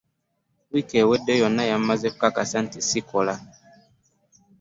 Wiiki ewedde yonna yammaze okukakasa nti ssikola.